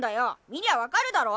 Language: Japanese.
見りゃ分かるだろ。